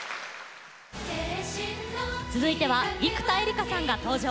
続いては生田絵梨花さんが登場。